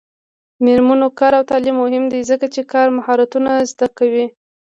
د میرمنو کار او تعلیم مهم دی ځکه چې کار مهارتونو زدکړه کوي.